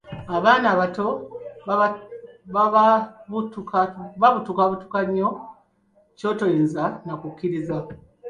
Abaana abato babutukabutuka nnyo kyotayinza nakukkiriza.